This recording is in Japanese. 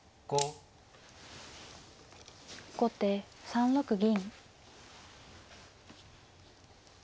後手３六銀。